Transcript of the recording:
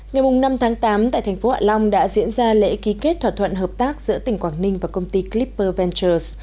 ngày năm tháng tám tại thành phố hạ long đã diễn ra lễ ký kết thỏa thuận hợp tác giữa tỉnh quảng ninh và công ty clipper ventures